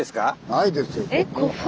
ないですよ古墳。